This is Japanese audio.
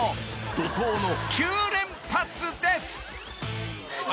［怒濤の９連発です］